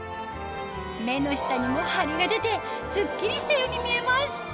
目の下にもハリが出てスッキリしたように見えます